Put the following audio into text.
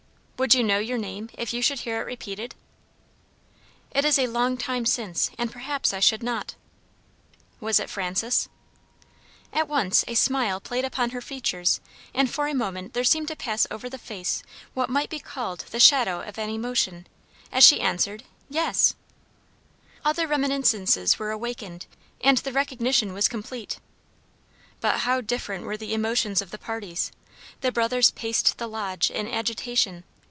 "Would you know your name if you should hear it repeated?" "It is a long time since, and perhaps I should not." "Was it Frances?" At once a smile played upon her features, and for a moment there seemed to pass over the face what might be called the shadow of an emotion, as she answered, "Yes." Other reminiscences were awakened, and the recognition was complete. But how different were the emotions of the parties! The brothers paced the lodge in agitation.